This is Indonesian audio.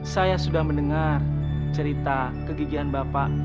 saya sudah mendengar cerita kegigihan bapak